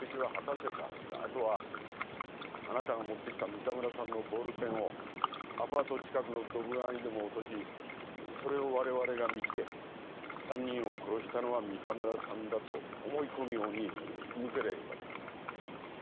あとはあなたが持ってきた三田村さんのボールペンをアパート近くのどぶ川にでも落としそれをわれわれが見つけ３人を殺したのは三田村さんだと思い込むようにしむけりゃよかったんだ。